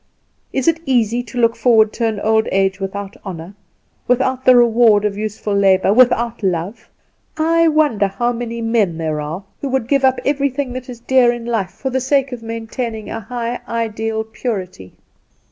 Is it easy to look forward to an old age without honour, without the reward of useful labour, without love? I wonder how many men there are who would give up everything that is dear in life for the sake of maintaining a high ideal purity."